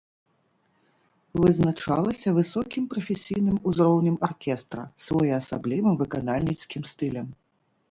Вызначалася высокім прафесійным узроўнем аркестра, своеасаблівым выканальніцкім стылем.